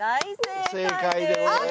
正解でございます。